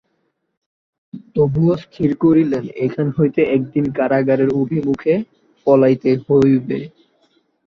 তবুও স্থির করিলেন, এখান হইতে একদিন সেই কারাগারের অভিমুখে পলাইতে হইবে।